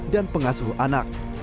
dan pengasuh anak